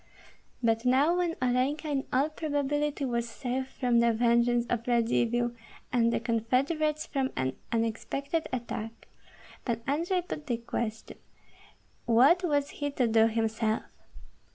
But now when Olenka in all probability was safe from the vengeance of Radzivill, and the confederates from an unexpected attack. Pan Andrei put the question, What was he to do himself?